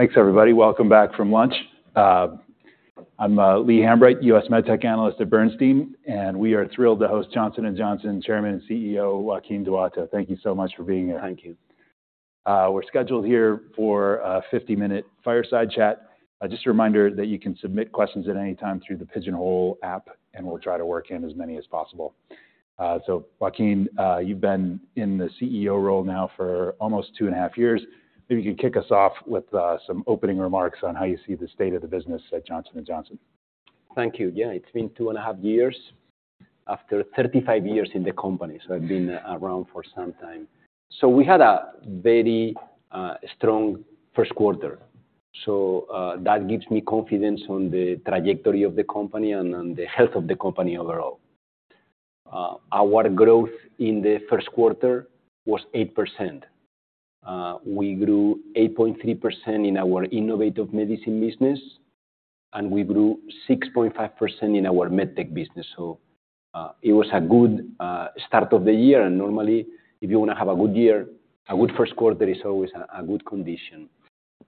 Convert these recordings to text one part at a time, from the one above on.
Thanks, everybody. Welcome back from lunch. I'm Lee Hambright, US MedTech analyst at Bernstein, and we are thrilled to host Johnson & Johnson Chairman and CEO, Joaquin Duato. Thank you so much for being here. Thank you. We're scheduled here for a 50-minute fireside chat. Just a reminder that you can submit questions at any time through the Pigeonhole app, and we'll try to work in as many as possible. So Joaquin, you've been in the CEO role now for almost 2.5 years. Maybe you can kick us off with some opening remarks on how you see the state of the business at Johnson & Johnson. Thank you. Yeah, it's been 2.5 years after 35 years in the company, so I've been around for some time. So we had a very strong Q1, so that gives me confidence on the trajectory of the company and on the health of the company overall. Our growth in the Q1 was 8%. We grew 8.3% in our Innovative Medicine business, and we grew 6.5% in our MedTech business. So it was a good start of the year. And normally, if you want to have a good year, a good Q1 is always a good condition.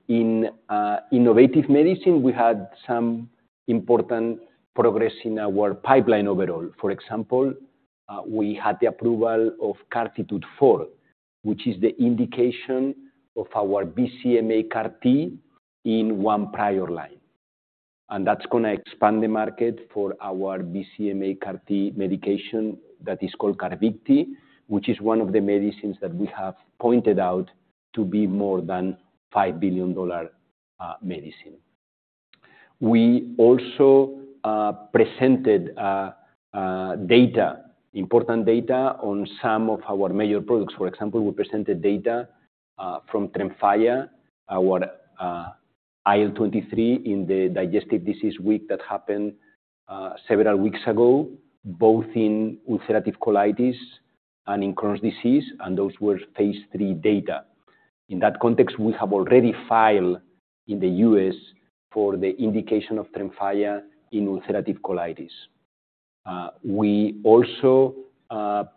In Innovative Medicine, we had some important progress in our pipeline overall. For example, we had the approval of CARTITUDE-4, which is the indication of our BCMA CAR T in one prior line. And that's gonna expand the market for our BCMA CAR T medication that is called CARVYKTI, which is one of the medicines that we have pointed out to be more than $5 billion medicine. We also presented important data on some of our major products. For example, we presented data from TREMFYA, our IL-23 in the Digestive Disease Week that happened several weeks ago, both in ulcerative colitis and in Crohn's disease, and those were phase III data. In that context, we have already filed in the U.S. for the indication of TREMFYA in ulcerative colitis. We also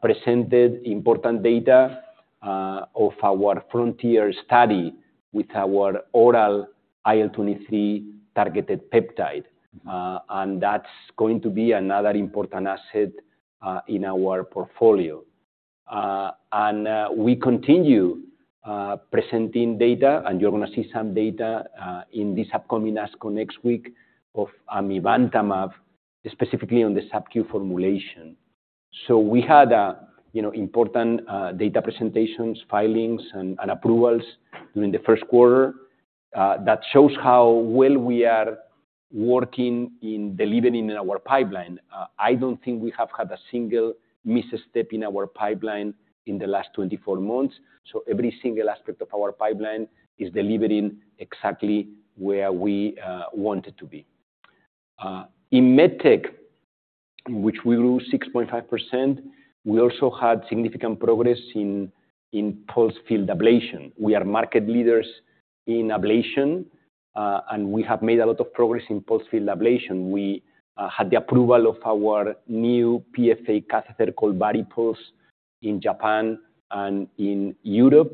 presented important data of our frontier study with our oral IL-23 targeted peptide, and that's going to be another important asset in our portfolio. We continue presenting data, and you're gonna see some data in this upcoming ASCO next week of amivantamab, specifically on the subQ formulation. So we had, you know, important data presentations, filings, and approvals during the Q1 that shows how well we are working in delivering in our pipeline. I don't think we have had a single misstep in our pipeline in the last 24 months, so every single aspect of our pipeline is delivering exactly where we want it to be. In MedTech, which we grew 6.5%, we also had significant progress in pulsed field ablation. We are market leaders in ablation, and we have made a lot of progress in pulsed field ablation. We had the approval of our new PFA catheter called VARIPULSE in Japan and in Europe.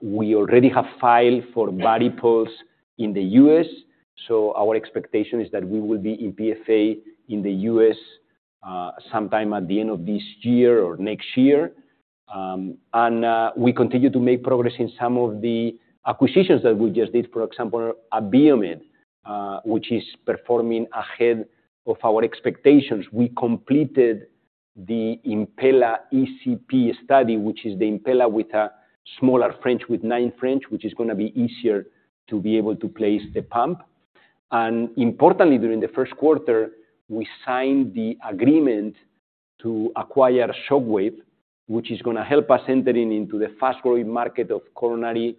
We already have filed for VARIPULSE in the US, so our expectation is that we will be in PFA in the US, sometime at the end of this year or next year. And we continue to make progress in some of the acquisitions that we just did, for example, Abiomed, which is performing ahead of our expectations. We completed the Impella ECP study, which is the Impella with a smaller French, with nine French, which is gonna be easier to be able to place the pump. Importantly, during the Q1, we signed the agreement to acquire Shockwave, which is gonna help us entering into the fast-growing market of coronary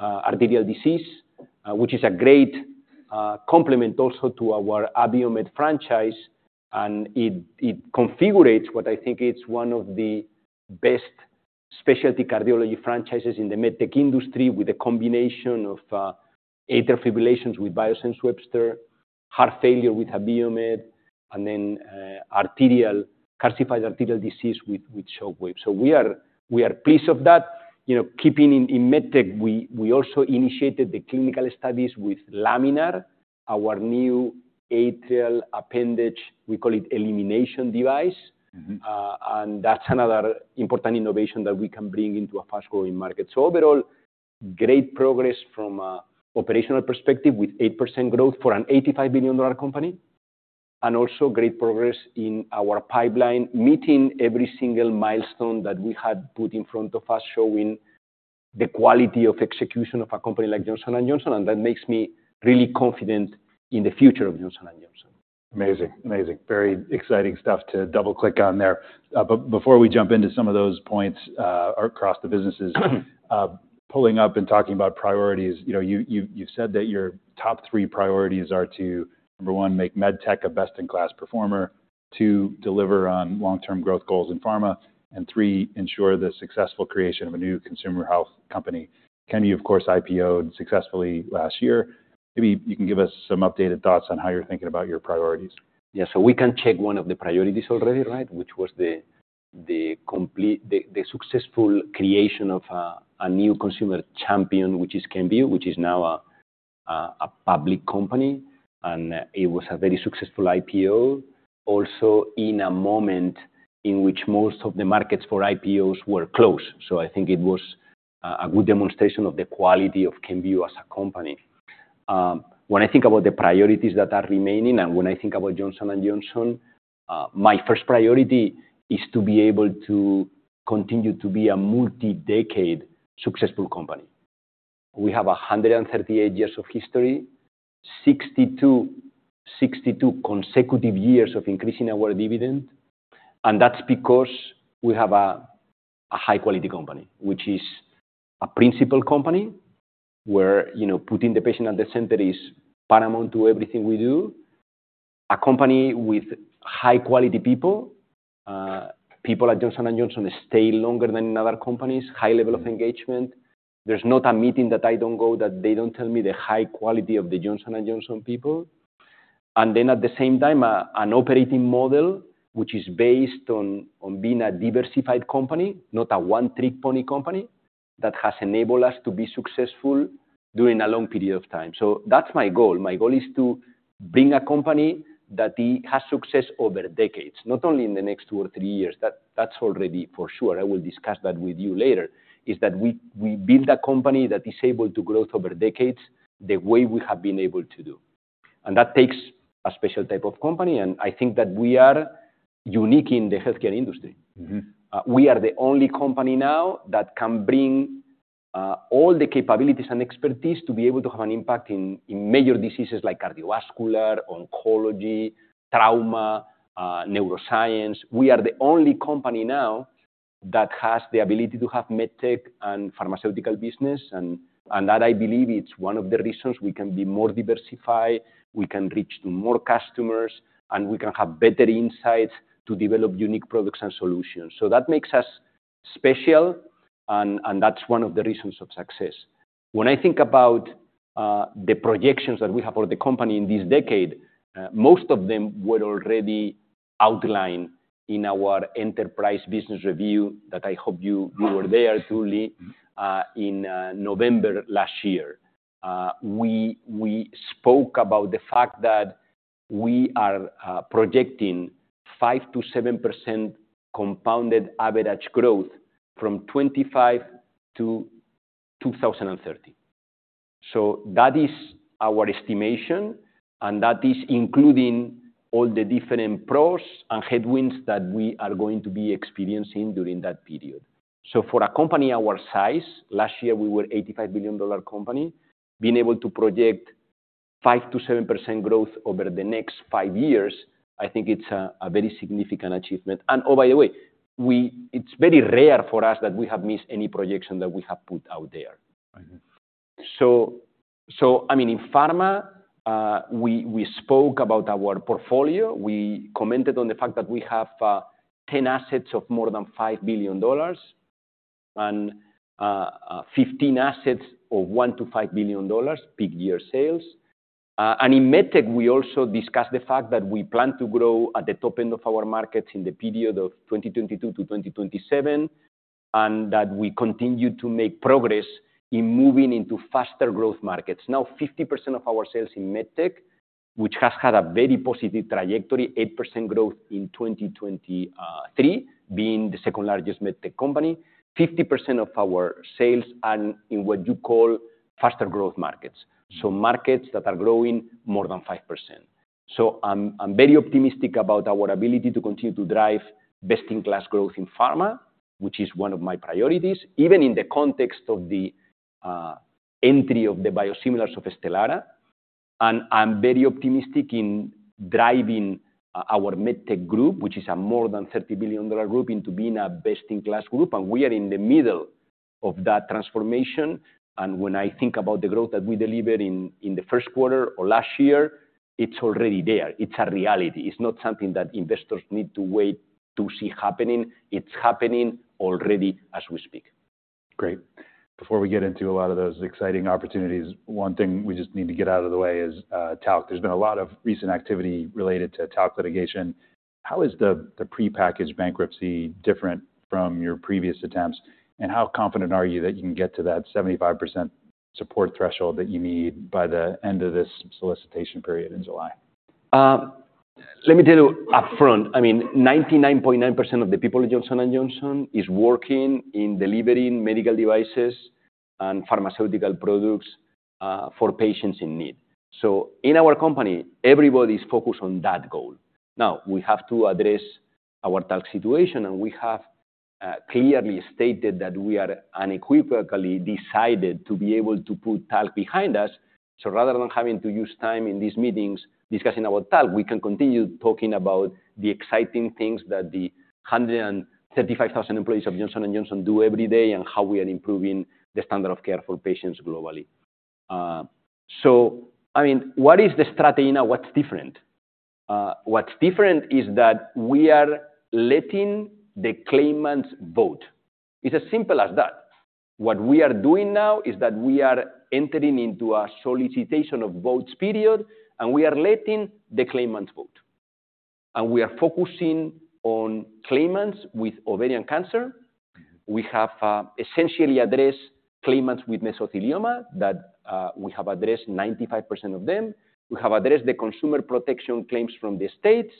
arterial disease, which is a great complement also to our Abiomed franchise. And it configurates what I think it's one of the best specialty cardiology franchises in the MedTech industry, with a combination of atrial fibrillations with Biosense Webster, heart failure with Abiomed, and then calcified arterial disease with Shockwave. So we are pleased of that. You know, keeping in MedTech, we also initiated the clinical studies with Laminar, our new atrial appendage, we call it, elimination device. Mm-hmm. That's another important innovation that we can bring into a fast-growing market. So overall, great progress from an operational perspective, with 8% growth for an $85 billion company, and also great progress in our pipeline, meeting every single milestone that we had put in front of us, showing the quality of execution of a company like Johnson & Johnson, and that makes me really confident in the future of Johnson & Johnson. Amazing, amazing. Very exciting stuff to double-click on there. But before we jump into some of those points, across the businesses, pulling up and talking about priorities, you know, you, you, you've said that your top three priorities are to, number one, make MedTech a best-in-class performer. Two, deliver on long-term growth goals in pharma. And three, ensure the successful creation of a new consumer health company. Kenvue, of course, IPO'd successfully last year. Maybe you can give us some updated thoughts on how you're thinking about your priorities? Yeah, so we can check one of the priorities already, right? Which was the successful creation of a new consumer champion, which is Kenvue, which is now a public company, and it was a very successful IPO. Also, in a moment in which most of the markets for IPOs were closed. So I think it was a good demonstration of the quality of Kenvue as a company. When I think about the priorities that are remaining and when I think about Johnson & Johnson, my first priority is to be able to continue to be a multi-decade successful company. We have 138 years of history, 62, 62 consecutive years of increasing our dividend, and that's because we have a high-quality company, which is a principal company, where, you know, putting the patient at the center is paramount to everything we do. A company with high-quality people. People at Johnson & Johnson stay longer than in other companies, high level of engagement. There's not a meeting that I don't go, that they don't tell me the high quality of the Johnson & Johnson people. And then, at the same time, an operating model, which is based on being a diversified company, not a one-trick pony company, that has enabled us to be successful during a long period of time. So that's my goal. My goal is to bring a company that it has success over decades, not only in the next two or three years, that's already for sure. I will discuss that with you later, is that we build a company that is able to grow over decades, the way we have been able to do. That takes a special type of company, and I think that we are unique in the healthcare industry. Mm-hmm. We are the only company now that can bring, all the capabilities and expertise to be able to have an impact in, in major diseases like cardiovascular, oncology, trauma, neuroscience. We are the only company now that has the ability to have med tech and pharmaceutical business, and, and that, I believe, it's one of the reasons we can be more diversified, we can reach to more customers, and we can have better insights to develop unique products and solutions. So that makes us special, and, and that's one of the reasons of success. When I think about, the projections that we have for the company in this decade, most of them were already outlined in our enterprise business review, that I hope you- Mm. You were there, Julie, in November last year. We spoke about the fact that we are projecting 5%-7% compounded average growth from 2025 to 2030. So that is our estimation, and that is including all the different pros and headwinds that we are going to be experiencing during that period. So for a company our size, last year we were $85 billion company, being able to project 5%-7% growth over the next 5 years, I think it's a very significant achievement. And, oh, by the way, it's very rare for us that we have missed any projection that we have put out there. Mm-hmm. I mean, in pharma, we spoke about our portfolio. We commented on the fact that we have 10 assets of more than $5 billion and 15 assets of $1 billion-$5 billion peak year sales. And in med tech, we also discussed the fact that we plan to grow at the top end of our markets in the period of 2022-2027, and that we continue to make progress in moving into faster growth markets. Now, 50% of our sales in med tech, which has had a very positive trajectory, 8% growth in 2023, being the second largest med tech company. 50% of our sales are in what you call faster growth markets, so markets that are growing more than 5%. So I'm, I'm very optimistic about our ability to continue to drive best-in-class growth in pharma, which is one of my priorities, even in the context of the entry of the biosimilars of Stelara. And I'm very optimistic in driving our med tech group, which is a more than $30 billion group, into being a best-in-class group, and we are in the middle of that transformation. And when I think about the growth that we delivered in the Q1 or last year, it's already there. It's a reality. It's not something that investors need to wait to see happening. It's happening already as we speak. Great. Before we get into a lot of those exciting opportunities, one thing we just need to get out of the way is, talc. There's been a lot of recent activity related to talc litigation. How is the prepackaged bankruptcy different from your previous attempts? And how confident are you that you can get to that 75% support threshold that you need by the end of this solicitation period in July? Let me tell you upfront, I mean, 99.9% of the people at Johnson & Johnson is working in delivering medical devices and pharmaceutical products for patients in need. So in our company, everybody's focused on that goal. Now, we have to address our talc situation, and we have clearly stated that we are unequivocally decided to be able to put talc behind us. So rather than having to use time in these meetings discussing about talc, we can continue talking about the exciting things that the 135,000 employees of Johnson & Johnson do every day, and how we are improving the standard of care for patients globally. So I mean, what is the strategy now? What's different? What's different is that we are letting the claimants vote. It's as simple as that. What we are doing now is that we are entering into a solicitation of votes period, and we are letting the claimants vote. We are focusing on claimants with ovarian cancer. We have essentially addressed claimants with mesothelioma that we have addressed 95% of them. We have addressed the consumer protection claims from the states,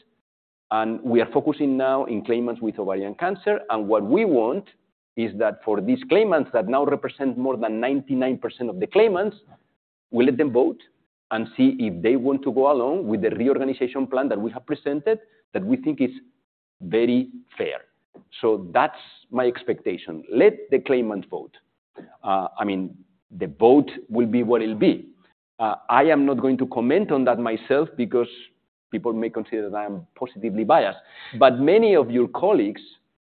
and we are focusing now in claimants with ovarian cancer. What we want is that for these claimants that now represent more than 99% of the claimants, we let them vote and see if they want to go along with the reorganization plan that we have presented, that we think is very fair. So that's my expectation. Let the claimants vote. I mean, the vote will be what it'll be. I am not going to comment on that myself because people may consider that I'm positively biased, but many of your colleagues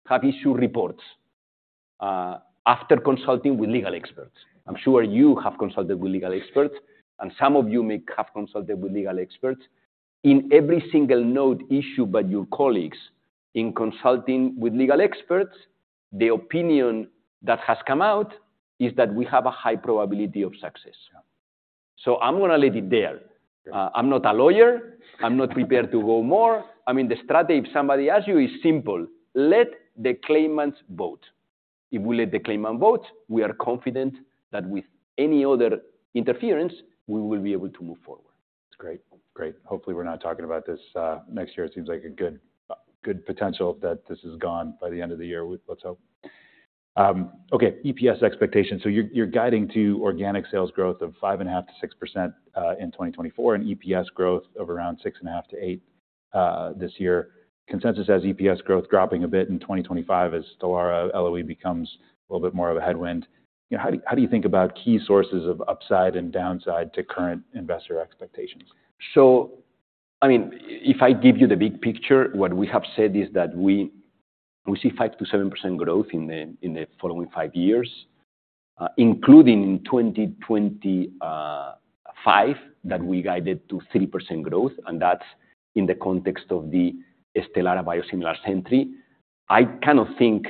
have issued reports after consulting with legal experts. I'm sure you have consulted with legal experts, and some of you may have consulted with legal experts. In every single note issued by your colleagues in consulting with legal experts, the opinion that has come out is that we have a high probability of success. Yeah. I'm going to leave it there. I'm not a lawyer. I'm not prepared to go more. I mean, the strategy, if somebody asks you, is simple: let the claimants vote. If we let the claimant vote, we are confident that with any other interference, we will be able to move forward. That's great. Great. Hopefully, we're not talking about this next year. It seems like a good good potential that this is gone by the end of the year. Let's hope. Okay, EPS expectations. So you're, you're guiding to organic sales growth of 5.5%-6% in 2024, and EPS growth of around 6.5-8 this year. Consensus has EPS growth dropping a bit in 2025 as Stelara LOE becomes a little bit more of a headwind. How do, how do you think about key sources of upside and downside to current investor expectations? So, I mean, if I give you the big picture, what we have said is that we, we see 5%-7% growth in the, in the following five years, including in 2025, that we guided to 3% growth, and that's in the context of the Stelara biosimilar entry. I cannot think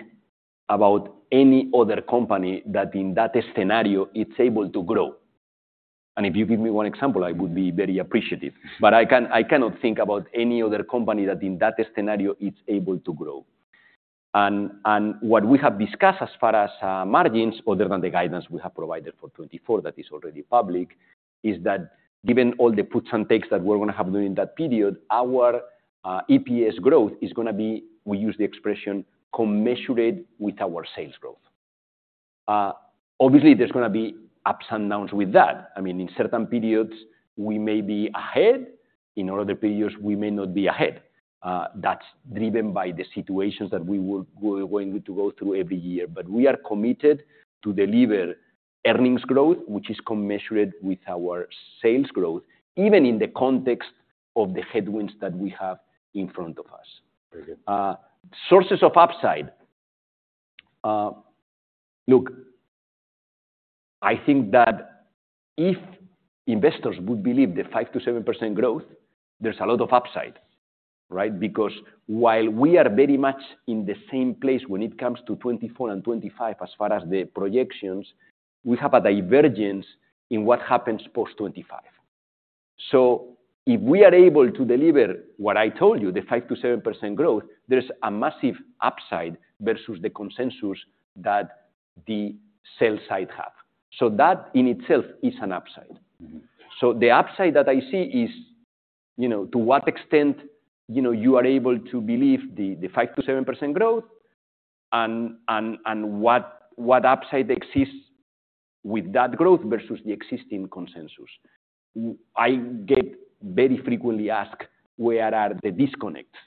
about any other company that in that scenario, it's able to grow. And if you give me one example, I would be very appreciative. But I can- I cannot think about any other company that in that scenario, it's able to grow. What we have discussed as far as margins, other than the guidance we have provided for 2024, that is already public, is that given all the puts and takes that we're going to have during that period, our EPS growth is going to be, we use the expression, commensurate with our sales growth. Obviously, there's going to be ups and downs with that. I mean, in certain periods we may be ahead, in other periods we may not be ahead. That's driven by the situations that we're going to go through every year. But we are committed to deliver earnings growth, which is commensurate with our sales growth, even in the context of the headwinds that we have in front of us. Very good. Sources of upside. Look, I think that if investors would believe the 5%-7% growth, there's a lot of upside, right? Because while we are very much in the same place when it comes to 2024 and 2025, as far as the projections, we have a divergence in what happens post-2025. So if we are able to deliver what I told you, the 5%-7% growth, there's a massive upside versus the consensus that the sales side have. So that in itself is an upside. Mm-hmm. So the upside that I see is, you know, to what extent, you know, you are able to believe the 5%-7% growth, and what upside exists with that growth versus the existing consensus. I get very frequently asked, "Where are the disconnects?"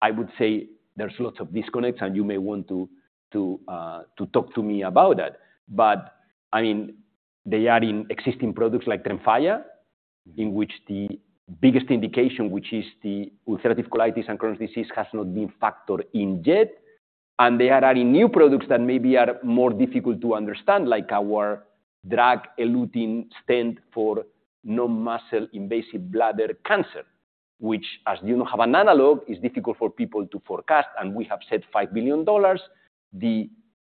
I would say there's lots of disconnects, and you may want to talk to me about that. But I mean, they are in existing products like TREMFYA- Mm... in which the biggest indication, which is the ulcerative colitis and Crohn's disease, has not been factored in yet. And they are adding new products that maybe are more difficult to understand, like our drug-eluting stent for non-muscle invasive bladder cancer, which, as you know, have an analog, is difficult for people to forecast, and we have said $5 billion. The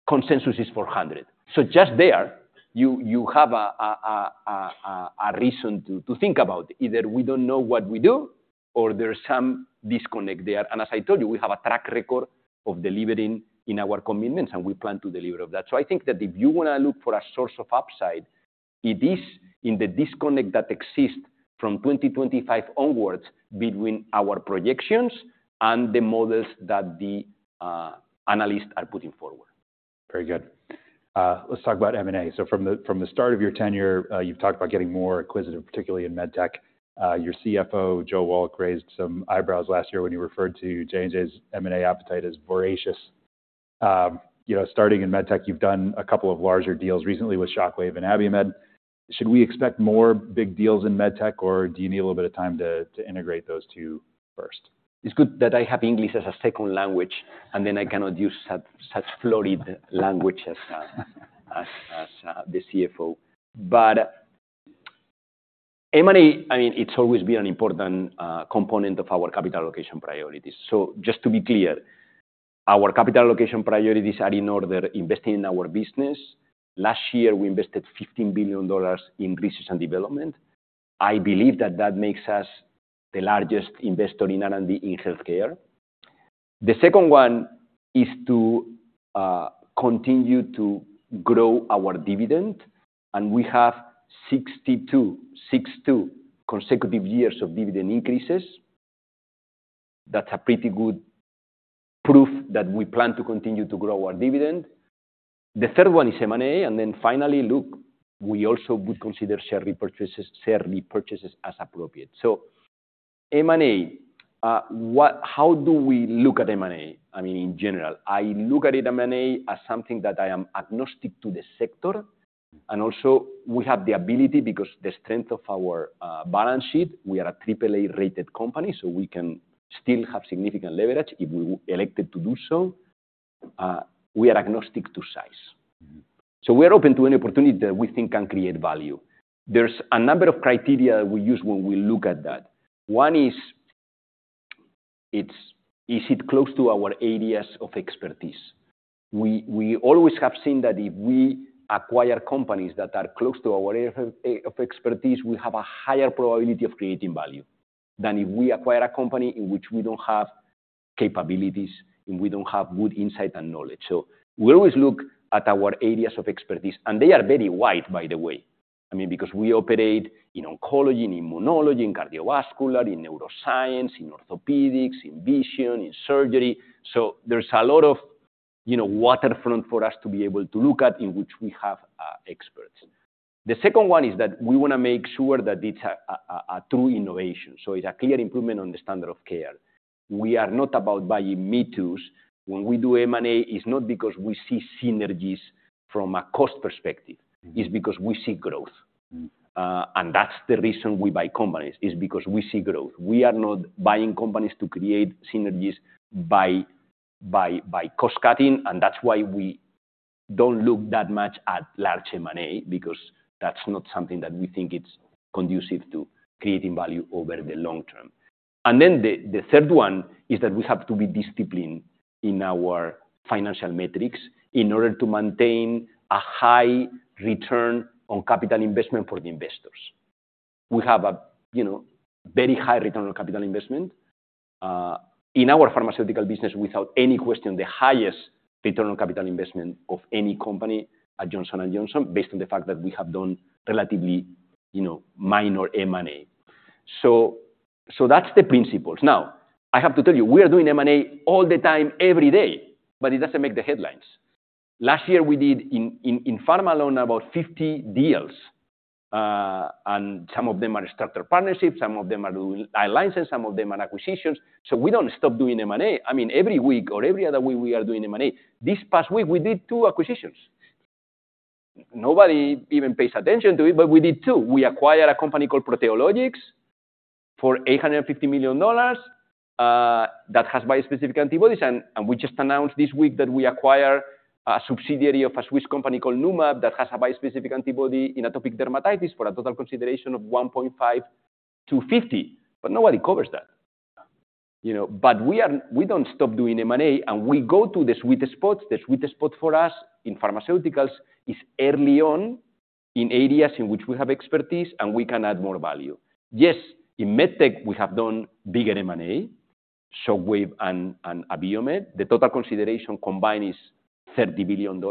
consensus is 400. So just there, you have a reason to think about. Either we don't know what we do, or there's some disconnect there. And as I told you, we have a track record of delivering in our commitments, and we plan to deliver of that. I think that if you want to look for a source of upside, it is in the disconnect that exists from 2025 onwards between our projections and the models that the analysts are putting forward. Very good. Let's talk about M&A. So from the start of your tenure, you've talked about getting more acquisitive, particularly in med tech. Your CFO, Joe Wolk, raised some eyebrows last year when he referred to J&J's M&A appetite as voracious. You know, starting in med tech, you've done a couple of larger deals recently with Shockwave and Abiomed. Should we expect more big deals in med tech, or do you need a little bit of time to integrate those two first? It's good that I have English as a second language, and then I cannot use such florid language as the CFO. But M&A, I mean, it's always been an important component of our capital allocation priorities. So just to be clear, our capital allocation priorities are in order, investing in our business. Last year, we invested $15 billion in research and development. I believe that that makes us the largest investor in R&D in healthcare. The second one is to continue to grow our dividend, and we have 62 consecutive years of dividend increases. That's a pretty good proof that we plan to continue to grow our dividend. The third one is M&A, and then finally, look, we also would consider share repurchases, share repurchases as appropriate. So M&A, how do we look at M&A, I mean, in general? I look at M&A as something that I am agnostic to the sector, and also we have the ability because the strength of our balance sheet, we are a AAA-rated company, so we can still have significant leverage if we elected to do so. We are agnostic to size. So we're open to any opportunity that we think can create value. There's a number of criteria we use when we look at that. One is, is it close to our areas of expertise? We always have seen that if we acquire companies that are close to our area of expertise, we have a higher probability of creating value than if we acquire a company in which we don't have capabilities, and we don't have good insight and knowledge. So we always look at our areas of expertise, and they are very wide, by the way. I mean, because we operate in oncology, in immunology, in cardiovascular, in neuroscience, in orthopedics, in vision, in surgery. So there's a lot of, you know, waterfront for us to be able to look at, in which we have experts. The second one is that we wanna make sure that it's a true innovation, so it's a clear improvement on the standard of care. We are not about buying me-toos. When we do M&A, it's not because we see synergies from a cost perspective, it's because we see growth. And that's the reason we buy companies, is because we see growth. We are not buying companies to create synergies by cost cutting, and that's why we don't look that much at large M&A, because that's not something that we think it's conducive to creating value over the long term. And then the third one is that we have to be disciplined in our financial metrics in order to maintain a high return on capital investment for the investors. We have, you know, very high return on capital investment in our pharmaceutical business, without any question, the highest return on capital investment of any company at Johnson & Johnson, based on the fact that we have done relatively, you know, minor M&A. So that's the principles. Now, I have to tell you, we are doing M&A all the time, every day, but it doesn't make the headlines. Last year we did in pharma alone, about 50 deals, and some of them are starter partnerships, some of them are alliances, some of them are acquisitions. So we don't stop doing M&A. I mean, every week or every other week, we are doing M&A. This past week, we did two acquisitions. Nobody even pays attention to it, but we did two. We acquired a company called Proteologix for $850 million, that has bispecific antibodies, and we just announced this week that we acquired a subsidiary of a Swiss company called Numab, that has a bispecific antibody in atopic dermatitis for a total consideration of $1.5-$50 million. But nobody covers that, you know? But we don't stop doing M&A, and we go to the sweet spots. The sweet spot for us in pharmaceuticals is early on in areas in which we have expertise and we can add more value. Yes, in med tech, we have done bigger M&A, Shockwave and Abiomed. The total consideration combined is $30 billion,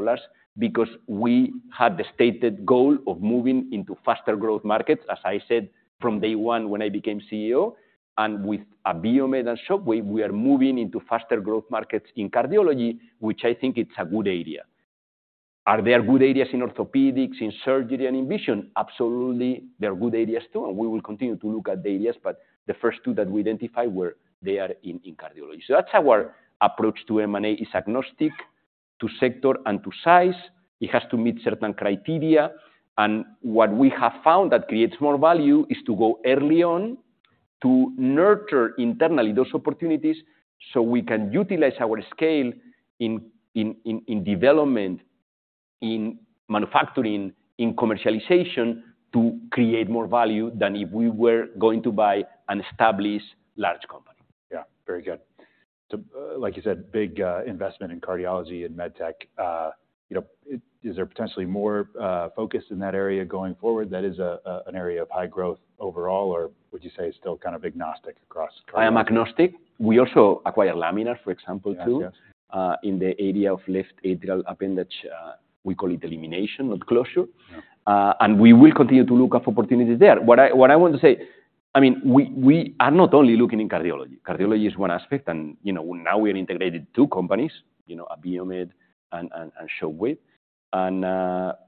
because we had the stated goal of moving into faster growth markets, as I said from day one when I became CEO. And with Abiomed and Shockwave, we are moving into faster growth markets in cardiology, which I think it's a good area. Are there good areas in orthopedics, in surgery, and in vision? Absolutely, there are good areas too, and we will continue to look at the areas, but the first two that we identified were there in, in cardiology. So that's our approach to M&A, is agnostic to sector and to size. It has to meet certain criteria. What we have found that creates more value is to go early on, to nurture internally those opportunities, so we can utilize our scale in development, in manufacturing, in commercialization, to create more value than if we were going to buy an established large company. Yeah, very good. So, like you said, big investment in cardiology and med tech, you know, is there potentially more focus in that area going forward that is an area of high growth overall, or would you say it's still kind of agnostic across cardiology? I am agnostic. We also acquired Laminar, for example, too- Yes, yes. In the area of left atrial appendage, we call it elimination, not closure. Yeah. And we will continue to look up opportunities there. What I want to say, I mean, we are not only looking in cardiology. Cardiology is one aspect, and, you know, now we have integrated two companies, you know, Abiomed and Shockwave. And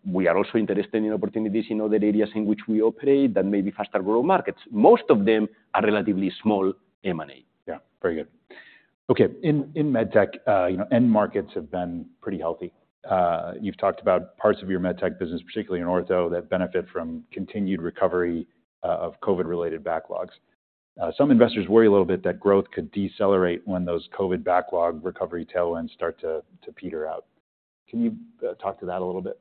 we are also interested in opportunities in other areas in which we operate that may be faster growth markets. Most of them are relatively small M&A. Yeah, very good. Okay, in MedTech, you know, end markets have been pretty healthy. You've talked about parts of your MedTech business, particularly in ortho, that benefit from continued recovery of COVID-related backlogs. Some investors worry a little bit that growth could decelerate when those COVID backlog recovery tailwinds start to peter out... Can you talk to that a little bit?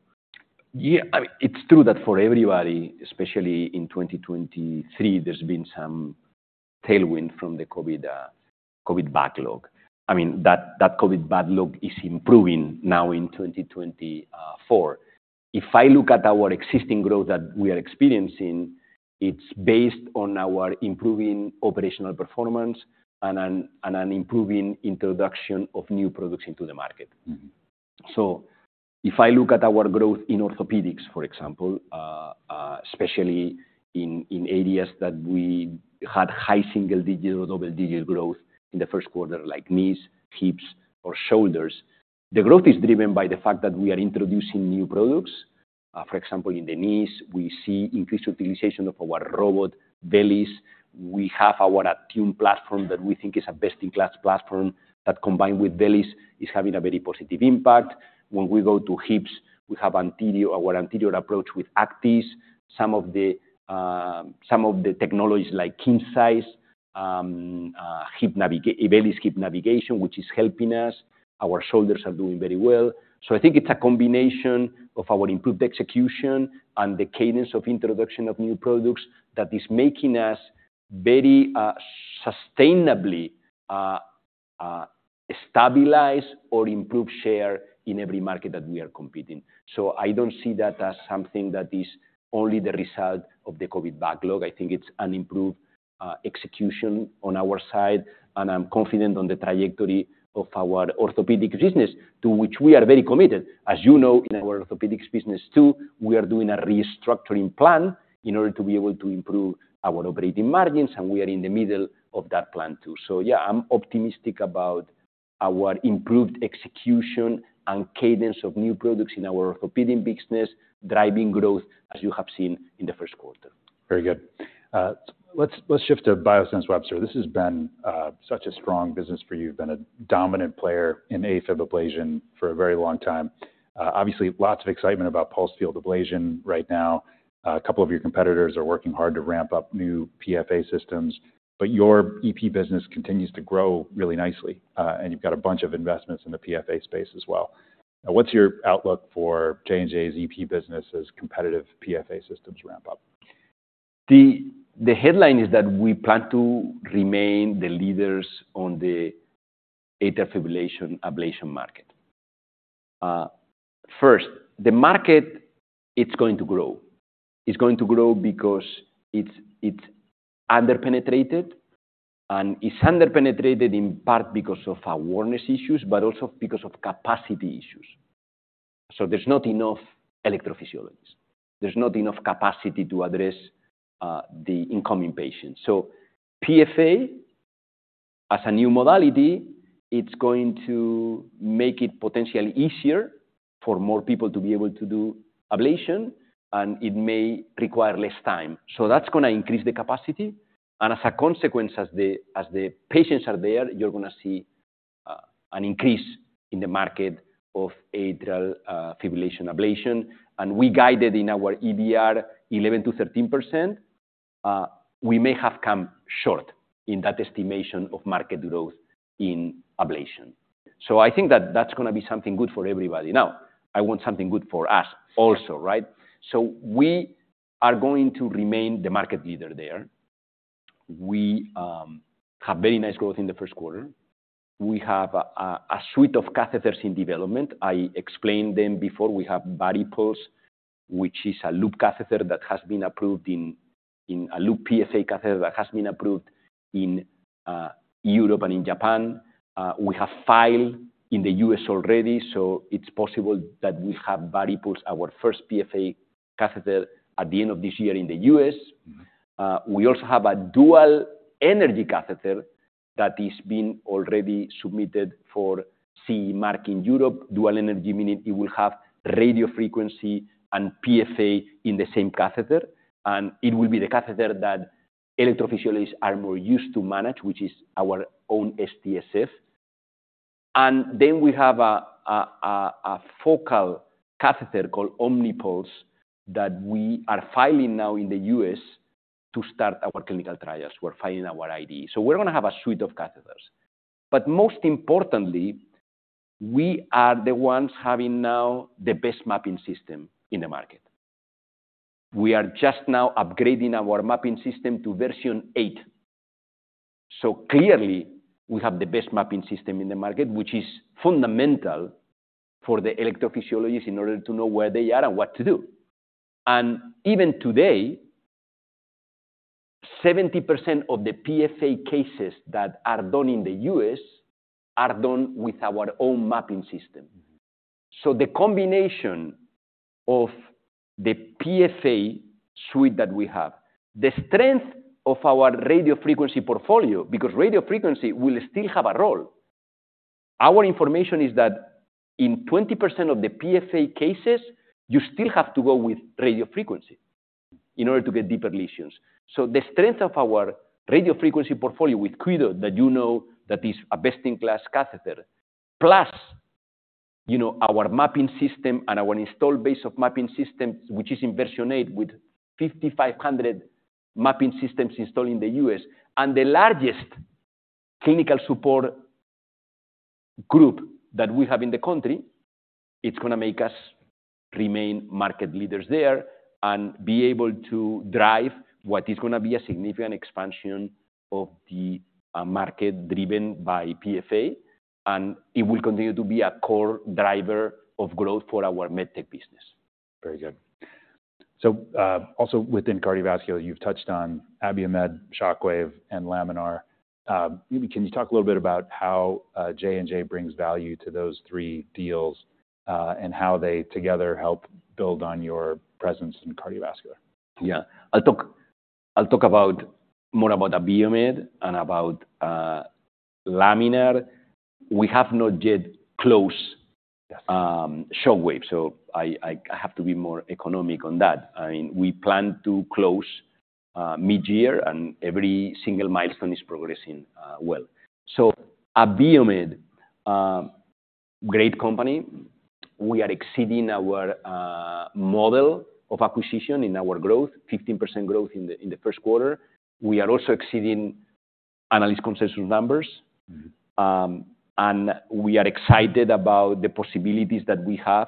Yeah, I mean, it's true that for everybody, especially in 2023, there's been some tailwind from the COVID COVID backlog. I mean, that, that COVID backlog is improving now in 2024. If I look at our existing growth that we are experiencing, it's based on our improving operational performance and an, and an improving introduction of new products into the market. Mm-hmm. So if I look at our growth in orthopedics, for example, especially in areas that we had high single digits, double-digit growth in the Q1, like knees, hips, or shoulders. The growth is driven by the fact that we are introducing new products. For example, in the knees, we see increased utilization of our robot, VELYS. We have our ATTUNE platform that we think is a best-in-class platform, that combined with VELYS, is having a very positive impact. When we go to hips, we have anterior, our anterior approach with ACTIS. Some of the technologies like KINCISE, VELYS hip navigation, which is helping us. Our shoulders are doing very well. So I think it's a combination of our improved execution and the cadence of introduction of new products that is making us very sustainably stabilize or improve share in every market that we are competing. So I don't see that as something that is only the result of the COVID backlog. I think it's an improved execution on our side, and I'm confident on the trajectory of our orthopedic business, to which we are very committed. As you know, in our orthopedics business too, we are doing a restructuring plan in order to be able to improve our operating margins, and we are in the middle of that plan, too. So yeah, I'm optimistic about our improved execution and cadence of new products in our orthopedic business, driving growth, as you have seen in the Q1. Very good. Let's shift to Biosense Webster. This has been such a strong business for you. Been a dominant player in AFib ablation for a very long time. Obviously, lots of excitement about pulsed field ablation right now. A couple of your competitors are working hard to ramp up new PFA systems, but your EP business continues to grow really nicely, and you've got a bunch of investments in the PFA space as well. Now, what's your outlook for J&J's EP business as competitive PFA systems ramp up? The headline is that we plan to remain the leaders on the atrial fibrillation ablation market. First, the market, it's going to grow. It's going to grow because it's under-penetrated, and it's under-penetrated in part because of awareness issues, but also because of capacity issues. So there's not enough electrophysiologists. There's not enough capacity to address the incoming patients. So PFA, as a new modality, it's going to make it potentially easier for more people to be able to do ablation, and it may require less time. So that's gonna increase the capacity, and as a consequence, as the patients are there, you're gonna see an increase in the market of atrial fibrillation ablation. We guided in our EBR 11%-13%. We may have come short in that estimation of market growth in ablation. So I think that that's gonna be something good for everybody. Now, I want something good for us also, right? So we are going to remain the market leader there. We have very nice growth in the Q1. We have a suite of catheters in development. I explained them before. We have VariPulse, which is a loop PFA catheter that has been approved in Europe and in Japan. We have filed in the U.S. already, so it's possible that we have VariPulse, our first PFA catheter, at the end of this year in the U.S. Mm-hmm. We also have a dual energy catheter that is being already submitted for CE mark in Europe. Dual energy, meaning it will have radiofrequency and PFA in the same catheter, and it will be the catheter that electrophysiologists are more used to manage, which is our own SF. And then we have a focal catheter called OMNIPULSE, that we are filing now in the U.S. to start our clinical trials. We're filing our IDE. So we're gonna have a suite of catheters. But most importantly, we are the ones having now the best mapping system in the market. We are just now upgrading our mapping system to version eight. So clearly, we have the best mapping system in the market, which is fundamental for the electrophysiologist in order to know where they are and what to do. Even today, 70% of the PFA cases that are done in the US are done with our own mapping system. Mm-hmm. So the combination of the PFA suite that we have, the strength of our radiofrequency portfolio, because radiofrequency will still have a role. Our information is that in 20% of the PFA cases, you still have to go with radiofrequency in order to get deeper lesions. So the strength of our radiofrequency portfolio with QDOT, that you know, that is a best-in-class catheter. Plus, you know, our mapping system and our installed base of mapping systems, which is in version 8, with 5,500 mapping systems installed in the U.S., and the largest clinical support group that we have in the country, it's gonna make us remain market leaders there and be able to drive what is gonna be a significant expansion of the market driven by PFA, and it will continue to be a core driver of growth for our MedTech business. Very good. So, also within cardiovascular, you've touched on Abiomed, Shockwave, and Laminar. Maybe can you talk a little bit about how J&J brings value to those three deals, and how they together help build on your presence in cardiovascular? Yeah. I'll talk, I'll talk about—more about Abiomed and about, Laminar. We have not yet closed- Yes... Shockwave, so I have to be more economic on that. I mean, we plan to close mid-year, and every single milestone is progressing well. So Abiomed, great company. We are exceeding our model of acquisition in our growth, 15% growth in the Q1. We are also exceeding analyst consensus numbers. Mm-hmm. And we are excited about the possibilities that we have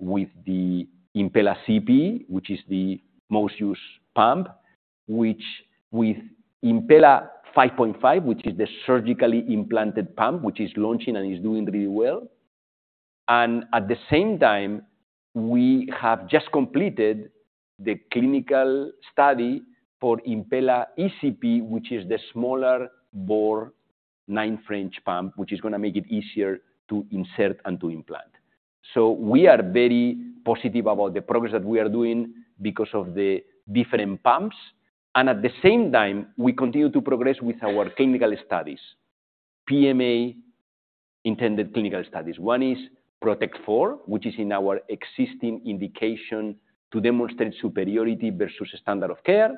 with the Impella CP, which is the most used pump, which with Impella 5.5, which is the surgically implanted pump, which is launching and is doing really well. And at the same time, we have just completed the clinical study for Impella ECP, which is the smaller bore 9 French pump, which is gonna make it easier to insert and to implant. So we are very positive about the progress that we are doing because of the different pumps, and at the same time, we continue to progress with our clinical studies. PMA intended clinical studies. One is PROTECT IV, which is in our existing indication to demonstrate superiority versus standard of care.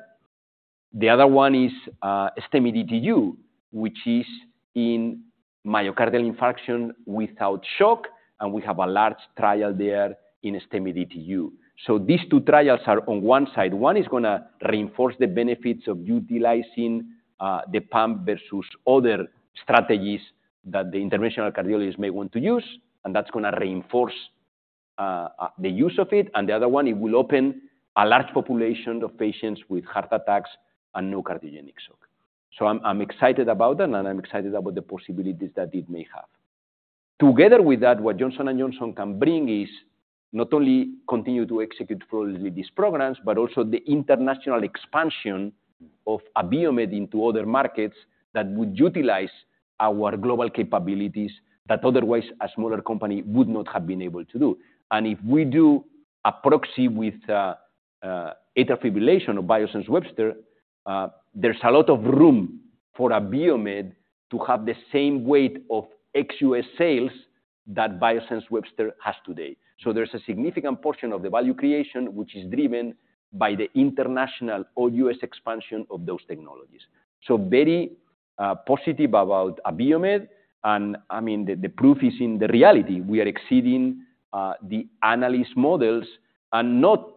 The other one is STEMI DTU, which is in myocardial infarction without shock, and we have a large trial there in STEMI DTU. So these two trials are on one side. One is gonna reinforce the benefits of utilizing the pump versus other strategies that the interventional cardiologists may want to use, and that's gonna reinforce the use of it. The other one, it will open a large population of patients with heart attacks and no cardiogenic shock. So I'm excited about that, and I'm excited about the possibilities that it may have. Together with that, what Johnson & Johnson can bring is not only continue to execute fully with these programs, but also the international expansion- Mm... of Abiomed into other markets that would utilize our global capabilities that otherwise a smaller company would not have been able to do. And if we do a proxy with atrial fibrillation of Biosense Webster, there's a lot of room for Abiomed to have the same weight of ex-US sales that Biosense Webster has today. So there's a significant portion of the value creation, which is driven by the international or US expansion of those technologies. So very positive about Abiomed, and I mean, the proof is in the reality. We are exceeding the analyst models and not...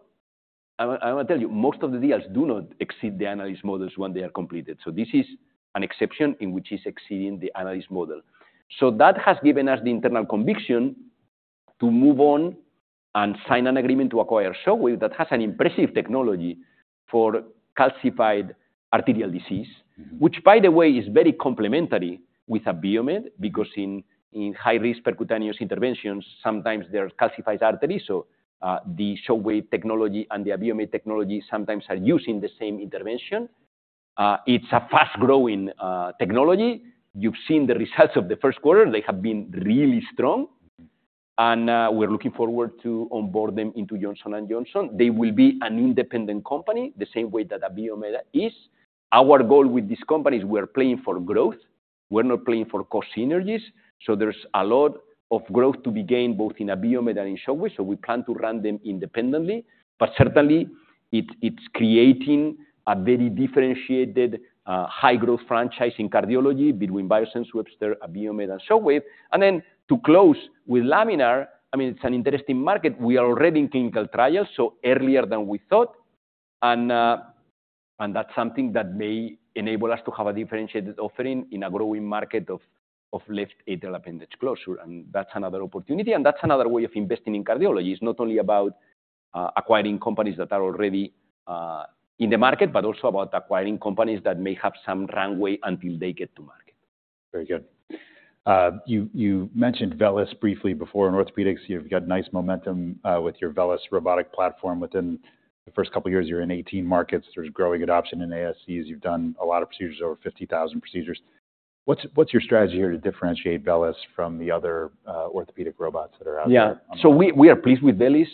I want to tell you, most of the deals do not exceed the analyst models when they are completed, so this is an exception in which it's exceeding the analyst model. That has given us the internal conviction to move on and sign an agreement to acquire Shockwave, that has an impressive technology for calcified arterial disease. Mm-hmm. Which, by the way, is very complementary with Abiomed, because in high-risk percutaneous interventions, sometimes there are calcified arteries, so, the Shockwave technology and the Abiomed technology sometimes are used in the same intervention. It's a fast-growing technology. You've seen the results of the Q1. They have been really strong. Mm. And, we're looking forward to onboard them into Johnson & Johnson. They will be an independent company, the same way that Abiomed is. Our goal with this company is we're playing for growth. We're not playing for cost synergies, so there's a lot of growth to be gained, both in Abiomed and in Shockwave, so we plan to run them independently. But certainly, it's creating a very differentiated, high-growth franchise in cardiology between Biosense Webster, Abiomed, and Shockwave. And then to close with Laminar, I mean, it's an interesting market. We are already in clinical trials, so earlier than we thought. And, and that's something that may enable us to have a differentiated offering in a growing market of left atrial appendage closure, and that's another opportunity. And that's another way of investing in cardiology. It's not only about acquiring companies that are already in the market, but also about acquiring companies that may have some runway until they get to market. Very good. You mentioned VELYS briefly before. In Orthopedics, you've got nice momentum with your VELYS robotic platform. Within the first couple of years, you're in 18 markets. There's growing adoption in ASCs. You've done a lot of procedures, over 50,000 procedures. What's your strategy here to differentiate VELYS from the other orthopedic robots that are out there? Yeah. So we are pleased with VELYS.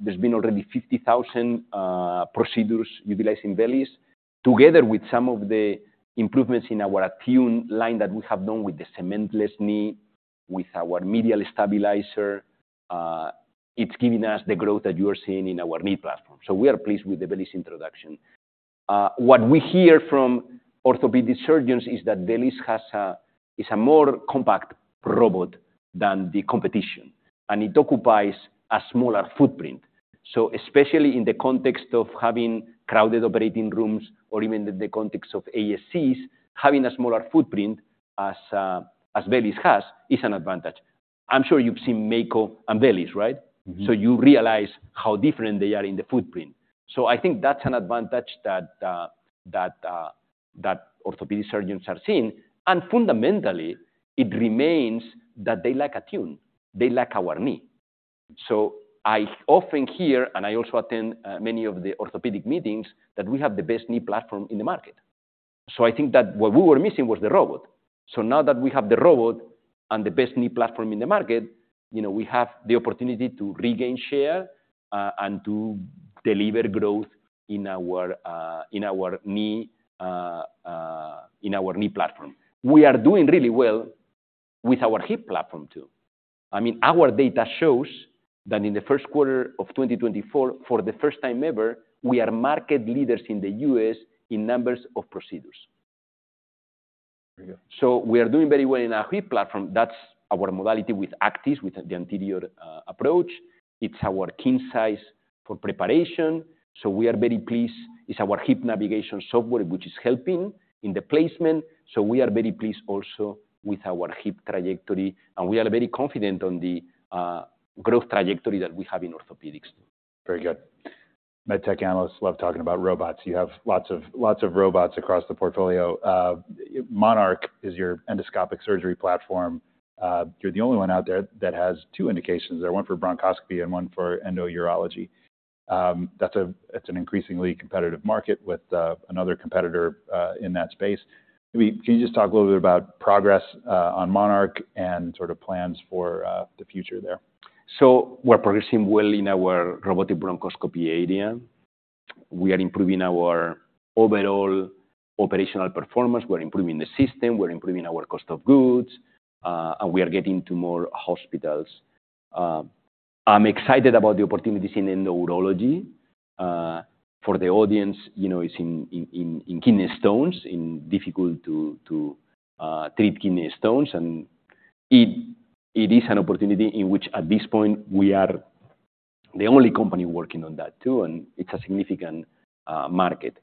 There's been already 50,000 procedures utilizing VELYS. Together with some of the improvements in our ATTUNE line that we have done with the cementless knee, with our medial stabilizer, it's giving us the growth that you are seeing in our knee platform. So we are pleased with the VELYS introduction. What we hear from orthopedic surgeons is that VELYS is a more compact robot than the competition, and it occupies a smaller footprint. So especially in the context of having crowded operating rooms or even in the context of ASCs, having a smaller footprint as VELYS has, is an advantage. I'm sure you've seen Mako and VELYS, right? Mm-hmm. So you realize how different they are in the footprint. So I think that's an advantage that orthopedic surgeons are seeing. And fundamentally, it remains that they like ATTUNE, they like our knee. So I often hear, and I also attend many of the orthopedic meetings, that we have the best knee platform in the market. So I think that what we were missing was the robot. So now that we have the robot and the best knee platform in the market, you know, we have the opportunity to regain share, and to deliver growth in our, in our knee, in our knee platform. We are doing really well with our hip platform, too. I mean, our data shows that in the Q1 of 2024, for the first time ever, we are market leaders in the U.S. in numbers of procedures. Very good. So we are doing very well in our hip platform. That's our modality with Actis, with the anterior approach. It's our KINCISE for preparation, so we are very pleased. It's our hip navigation software, which is helping in the placement, so we are very pleased also with our hip trajectory, and we are very confident on the growth trajectory that we have in orthopedics. Very good. MedTech analysts love talking about robots. You have lots of, lots of robots across the portfolio. Monarch is your endoscopic surgery platform. You're the only one out there that has two indications there, one for bronchoscopy and one for endourology. That's an increasingly competitive market with another competitor in that space. Can you just talk a little bit about progress on Monarch and sort of plans for the future there? So we're progressing well in our robotic bronchoscopy area. We are improving our overall operational performance. We're improving the system, we're improving our cost of goods, and we are getting to more hospitals. I'm excited about the opportunities in endourology. For the audience, you know, it's in kidney stones, in difficult to treat kidney stones. And it is an opportunity in which, at this point, we are the only company working on that too, and it's a significant market.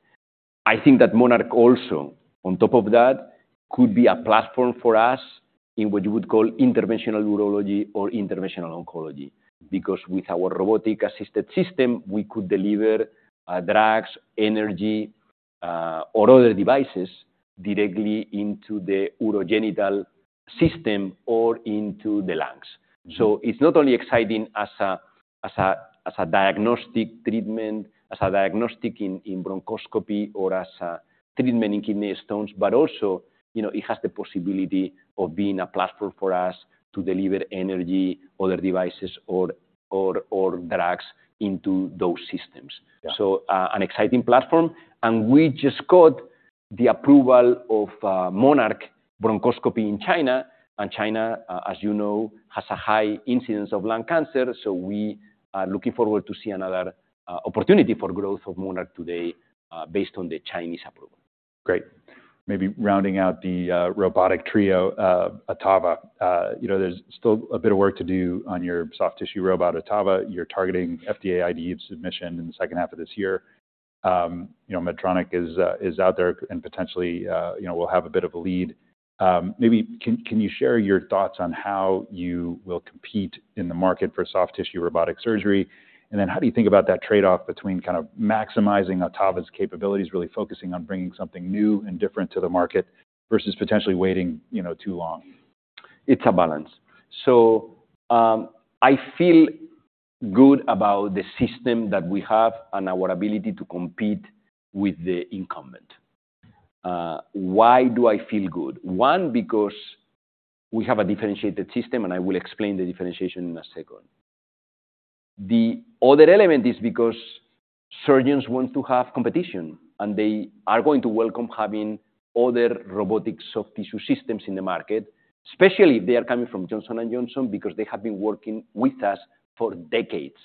I think that Monarch also, on top of that, could be a platform for us in what you would call interventional urology or interventional oncology, because with our robotic-assisted system, we could deliver drugs, energy, or other devices directly into the urogenital system or into the lungs. Mm-hmm. So it's not only exciting as a diagnostic treatment, as a diagnostic in bronchoscopy or as a treatment in kidney stones, but also, you know, it has the possibility of being a platform for us to deliver energy, other devices or drugs into those systems. Yeah. So, an exciting platform, and we just got the approval of, Monarch bronchoscopy in China, and China, as you know, has a high incidence of lung cancer. So we are looking forward to see another, opportunity for growth of Monarch today, based on the Chinese approval. Great. Maybe rounding out the robotic trio, Ottava. You know, there's still a bit of work to do on your soft tissue robot, Ottava. You're targeting FDA IDE submission in the second half of this year. You know, Medtronic is out there and potentially will have a bit of a lead. Maybe can you share your thoughts on how you will compete in the market for soft tissue robotic surgery? And then, how do you think about that trade-off between kind of maximizing Ottava's capabilities, really focusing on bringing something new and different to the market versus potentially waiting, you know, too long? It's a balance. So, I feel good about the system that we have and our ability to compete with the incumbent. Why do I feel good? One, because we have a differentiated system, and I will explain the differentiation in a second. The other element is because surgeons want to have competition, and they are going to welcome having other robotic soft tissue systems in the market, especially if they are coming from Johnson & Johnson, because they have been working with us for decades.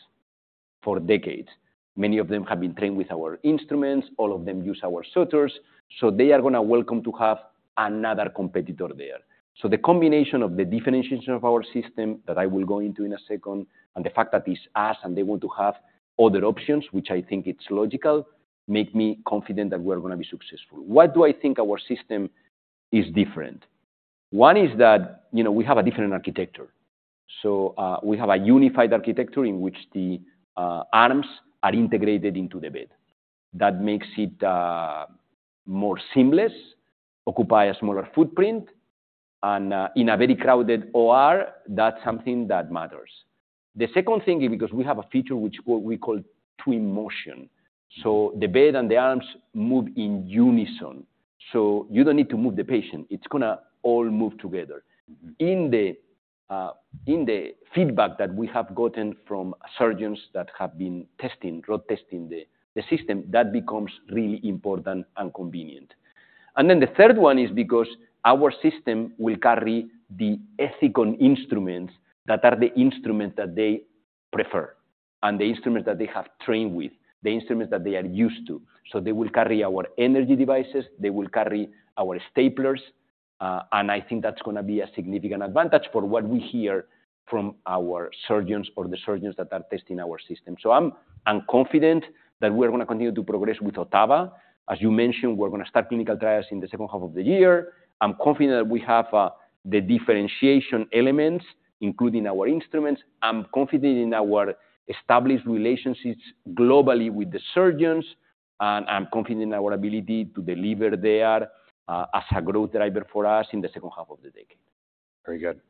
For decades. Many of them have been trained with our instruments. All of them use our sutures, so they are gonna welcome to have another competitor there. So the combination of the differentiation of our system, that I will go into in a second, and the fact that it's us, and they want to have other options, which I think it's logical, make me confident that we're gonna be successful. Why do I think our system is different? One is that, you know, we have a different architecture. So, we have a unified architecture in which the arms are integrated into the bed. That makes it more seamless, occupy a smaller footprint, and in a very crowded OR, that's something that matters. The second thing is because we have a feature which we call Twin Motion, so the bed and the arms move in unison. So you don't need to move the patient, it's gonna all move together. Mm-hmm. In the feedback that we have gotten from surgeons that have been testing, road testing the system, that becomes really important and convenient. And then the third one is because our system will carry the Ethicon instruments that are the instruments that they prefer and the instruments that they have trained with, the instruments that they are used to. So they will carry our energy devices, they will carry our staplers, and I think that's gonna be a significant advantage for what we hear from our surgeons or the surgeons that are testing our system. So I'm confident that we're gonna continue to progress with Ottava. As you mentioned, we're gonna start clinical trials in the second half of the year. I'm confident that we have the differentiation elements, including our instruments. I'm confident in our established relationships globally with the surgeons, and I'm confident in our ability to deliver there, as a growth driver for us in the second half of the decade. Very good.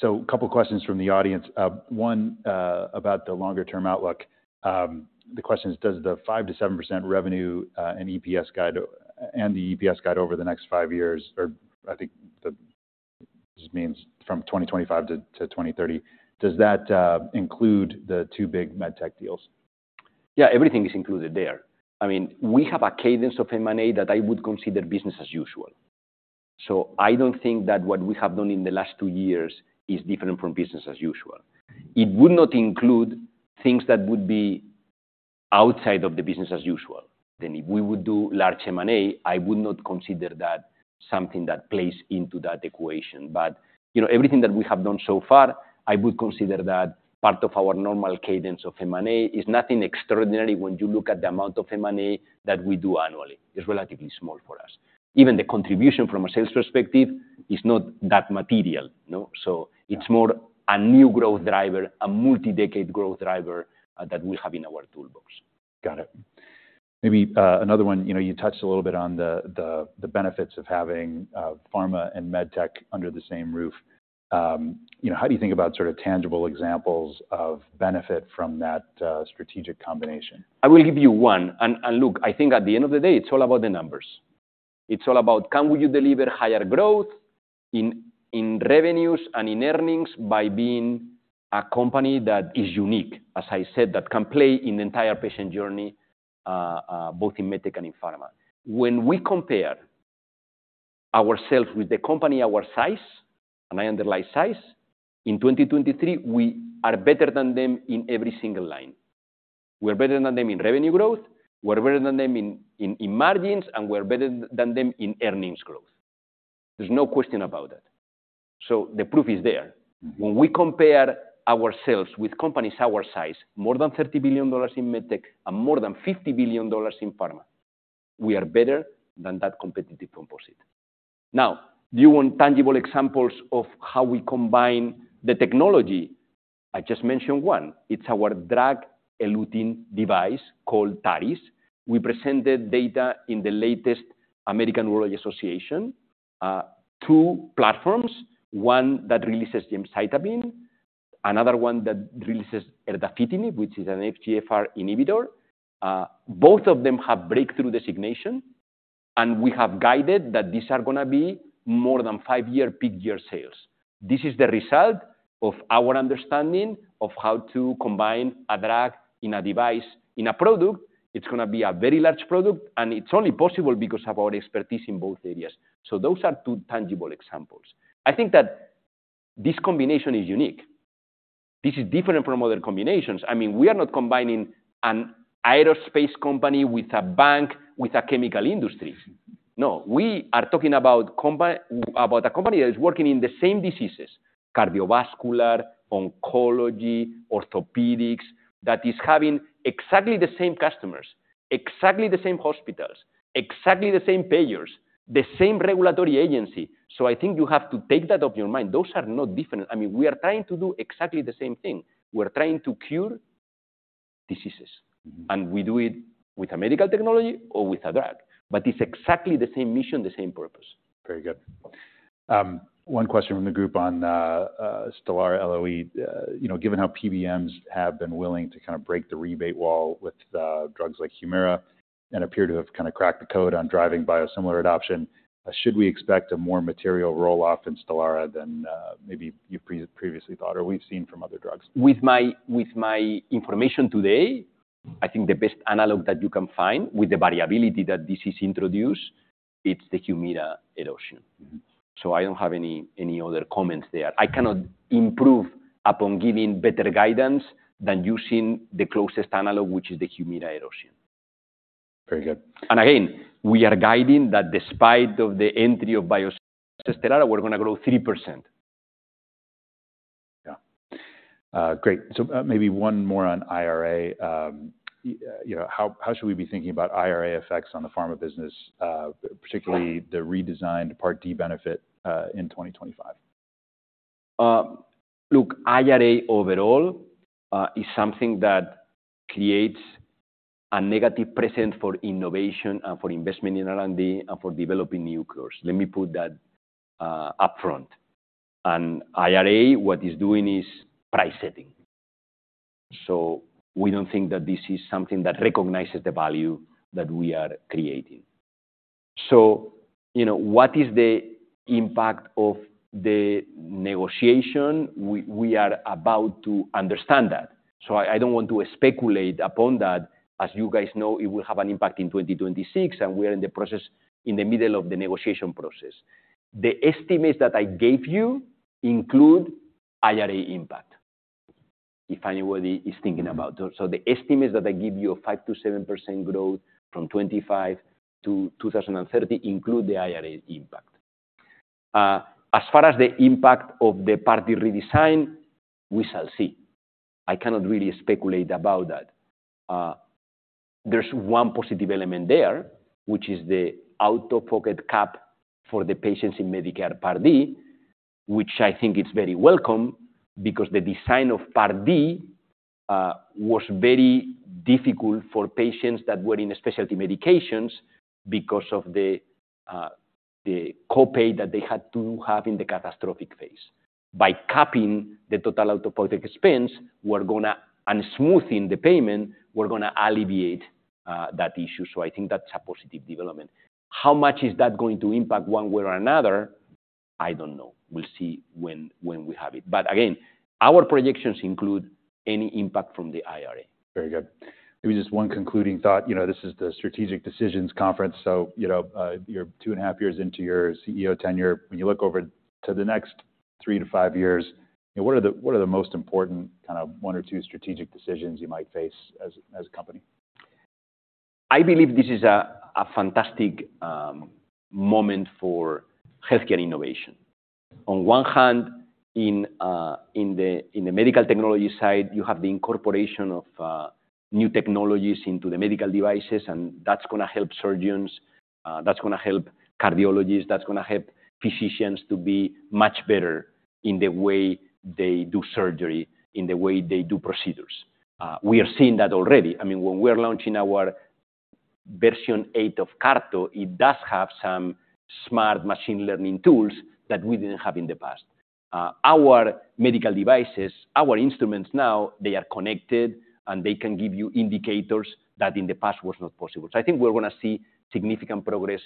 So a couple questions from the audience. One, about the longer term outlook. The question is, does the 5%-7% revenue and EPS guide and the EPS guide over the next five years, or this means from 2025 to 2030, does that include the two big MedTech deals? Yeah, everything is included there. I mean, we have a cadence of M&A that I would consider business as usual. So I don't think that what we have done in the last two years is different from business as usual. It would not include things that would be outside of the business as usual. Then if we would do large M&A, I would not consider that something that plays into that equation. But, you know, everything that we have done so far, I would consider that part of our normal cadence of M&A. It's nothing extraordinary when you look at the amount of M&A that we do annually. It's relatively small for us. Even the contribution from a sales perspective is not that material, you know? So- Yeah... it's more a new growth driver, a multi-decade growth driver, that we have in our toolbox. Got it. Maybe another one, you know, you touched a little bit on the benefits of having pharma and med tech under the same roof. You know, how do you think about sort of tangible examples of benefit from that strategic combination? I will give you one. And look, I think at the end of the day, it's all about the numbers. It's all about, can you deliver higher growth in revenues and in earnings by being a company that is unique, as I said, that can play in the entire patient journey, both in med tech and in pharma? When we compare ourselves with the company our size, and I underline size, in 2023, we are better than them in every single line. We're better than them in revenue growth, we're better than them in margins, and we're better than them in earnings growth. There's no question about that. So the proof is there. Mm-hmm. When we compare ourselves with companies our size, more than $30 billion in med tech and more than $50 billion in pharma, we are better than that competitive composite. Now, do you want tangible examples of how we combine the technology? I just mentioned one. It's our drug-eluting device called TARIS. We presented data in the latest American Urological Association. Two platforms, one that releases gemcitabine, another one that releases erdafitinib, which is an FGFR inhibitor. Both of them have breakthrough designation, and we have guided that these are gonna be more than $5 billion peak year sales. This is the result of our understanding of how to combine a drug in a device, in a product. It's gonna be a very large product, and it's only possible because of our expertise in both areas. So those are two tangible examples. I think that this combination is unique. This is different from other combinations. I mean, we are not combining an aerospace company with a bank, with a chemical industry. No, we are talking about a company that is working in the same diseases, cardiovascular, oncology, orthopedics, that is having exactly the same customers, exactly the same hospitals, exactly the same payers, the same regulatory agency. So I think you have to take that off your mind. Those are not different. I mean, we are trying to do exactly the same thing. We're trying to cure diseases. Mm-hmm. We do it with a medical technology or with a drug, but it's exactly the same mission, the same purpose. Very good. One question from the group on Stelara LOE. You know, given how PBMs have been willing to kind of break the rebate wall with drugs like Humira and appear to have kind of cracked the code on driving biosimilar adoption, should we expect a more material roll-off in Stelara than maybe you previously thought, or we've seen from other drugs? With my information today, I think the best analog that you can find with the variability that this is introduced, it's the Humira erosion. Mm-hmm. I don't have any other comments there. I cannot improve upon giving better guidance than using the closest analog, which is the Humira erosion. Very good. Again, we are guiding that despite of the entry of biosimilar Stelara, we're gonna grow 3%. Yeah. Great. So, maybe one more on IRA. You know, how should we be thinking about IRA effects on the pharma business, particularly the redesigned Part D benefit, in 2025? Look, IRA overall is something that creates a negative precedent for innovation and for investment in R&D and for developing new cures. Let me put that upfront. And IRA, what it's doing is price setting. So we don't think that this is something that recognizes the value that we are creating. So, you know, what is the impact of the negotiation? We are about to understand that. So I don't want to speculate upon that. As you guys know, it will have an impact in 2026, and we are in the process, in the middle of the negotiation process. The estimates that I gave you include IRA impact, if anybody is thinking about those. So the estimates that I give you, a 5%-7% growth from 2025 to 2030, include the IRA impact. As far as the impact of the Part D redesign, we shall see. I cannot really speculate about that. There's one positive element there, which is the out-of-pocket cap for the patients in Medicare Part D, which I think is very welcome, because the design of Part D was very difficult for patients that were in specialty medications because of the co-pay that they had to have in the catastrophic phase. By capping the total out-of-pocket expense, we're gonna—and smoothing the payment, we're gonna alleviate that issue, so I think that's a positive development. How much is that going to impact one way or another? I don't know. We'll see when we have it. But again, our projections include any impact from the IRA. Very good. Maybe just one concluding thought. You know, this is the Strategic Decisions Conference, so, you know, you're two and a half years into your CEO tenure. When you look over to the next 3-5 years, you know, what are the, what are the most important, kind of, one or two strategic decisions you might face as, as a company? I believe this is a fantastic moment for healthcare innovation. On one hand, in the medical technology side, you have the incorporation of new technologies into the medical devices, and that's gonna help surgeons, that's gonna help cardiologists, that's gonna help physicians to be much better in the way they do surgery, in the way they do procedures. We are seeing that already. I mean, when we are launching our version 8 of Carto, it does have some smart machine learning tools that we didn't have in the past. Our medical devices, our instruments now, they are connected, and they can give you indicators that in the past was not possible. I think we're gonna see significant progress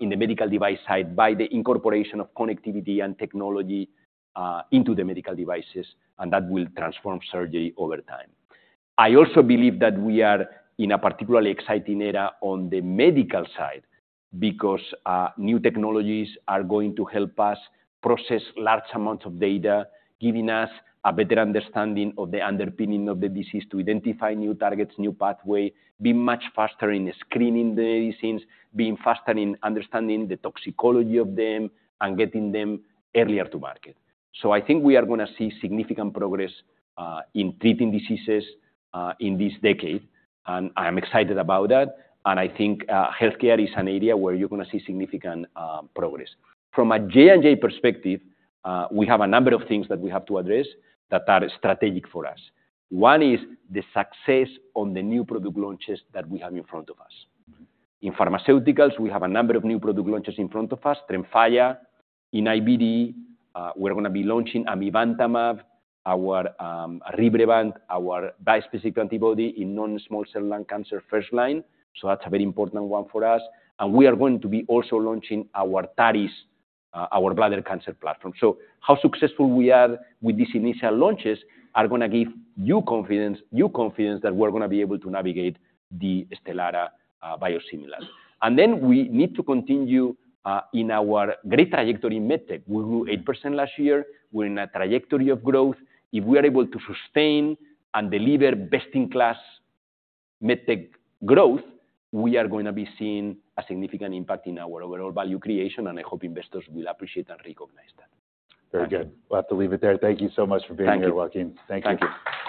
in the medical device side by the incorporation of connectivity and technology into the medical devices, and that will transform surgery over time. I also believe that we are in a particularly exciting era on the medical side, because new technologies are going to help us process large amounts of data, giving us a better understanding of the underpinning of the disease to identify new targets, new pathway, be much faster in screening the medicines, being faster in understanding the toxicology of them, and getting them earlier to market. I think we are gonna see significant progress in treating diseases in this decade, and I am excited about that, and I think healthcare is an area where you're gonna see significant progress. From a J&J perspective, we have a number of things that we have to address that are strategic for us. One is the success on the new product launches that we have in front of us. In pharmaceuticals, we have a number of new product launches in front of us, TREMFYA. In IBD, we're gonna be launching amivantamab, our RYBREVANT, our bispecific antibody in non-small cell lung cancer, first line, so that's a very important one for us. And we are going to be also launching our TARIS, our bladder cancer platform. So how successful we are with these initial launches are gonna give you confidence, you confidence, that we're gonna be able to navigate the Stelara biosimilars. And then we need to continue in our great trajectory in MedTech. We grew 8% last year. We're in a trajectory of growth. If we are able to sustain and deliver best-in-class MedTech growth, we are going to be seeing a significant impact in our overall value creation, and I hope investors will appreciate and recognize that. Very good. We'll have to leave it there. Thank you so much for being here, Joaquin. Thank you. Thank you.